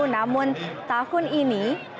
namun tahun ini